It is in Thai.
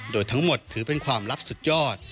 โดยทั้งหมดถือเป็นความลับสุดยอด